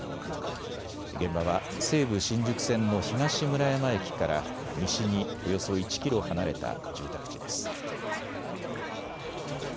現場は西武新宿線の東村山駅から西におよそ１キロ離れた住宅地です。